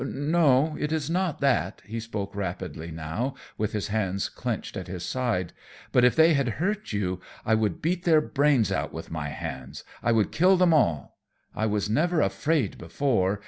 "No, it is not that," he spoke rapidly now, with his hands clenched at his side. "But if they had hurt you, I would beat their brains out with my hands, I would kill them all. I was never afraid before.